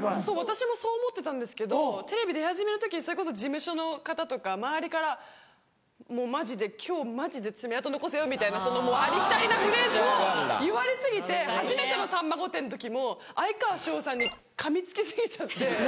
私もそう思ってたんですけどテレビ出始めの時にそれこそ事務所の方とか周りから「もうマジで今日マジで爪痕残せよ」みたいなありきたりなフレーズを言われ過ぎて初めての『さんま御殿‼』の時も哀川翔さんにかみつき過ぎちゃって。